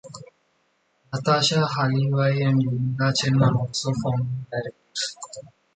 Natasha Halevi and Linda Chen are also founding directors.